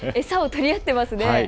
餌を取り合ってますね。